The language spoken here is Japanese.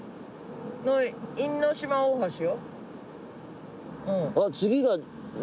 因島大橋よ。